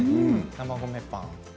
生米パン。